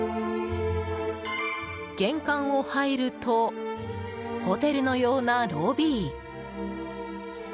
玄関を入るとホテルのようなロビー。